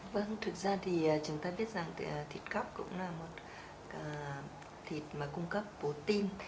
vâng thực ra thì chúng ta biết rằng thịt cóc cũng là một thịt mà cung cấp bổ tim